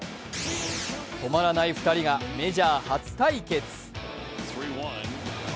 止まらない２人がメジャー初対決。